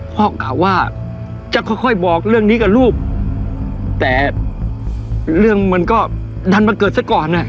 กล่าวว่าจะค่อยค่อยบอกเรื่องนี้กับลูกแต่เรื่องมันก็ดันมาเกิดซะก่อนอ่ะ